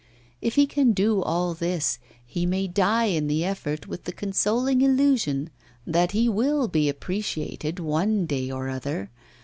If he can do all this, he may die in the effort with the consoling illusion that he will be appreciated one day or other.